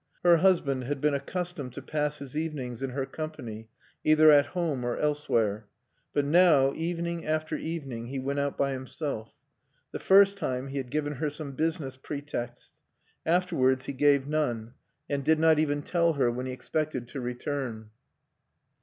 Her husband had been accustomed to pass his evenings in her company, either at home or elsewhere. But now, evening after evening, he went out by himself. The first time he had given her some business pretexts; afterwards he gave none, and did not even tell her when he expected to return.